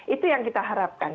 itu yang kita harapkan